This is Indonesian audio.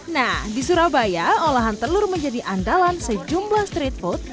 nah di surabaya olahan telur menjadi andalan sejumlah street food